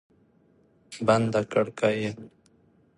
بنده کړکۍ یم